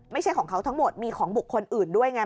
ไม่ใช่ของเขาทั้งหมดมีของบุคคลอื่นด้วยไง